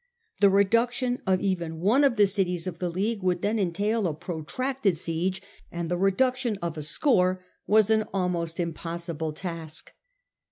The reduction of even one of the cities of the League would then entail a protracted siege, and the reduction of a score was an almost impossible task.